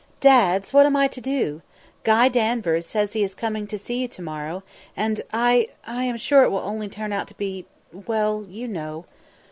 "Dads, what am I to do? Guy Danvers says he is coming to see you to morrow, and I I am sure it will only turn out to be well you, know."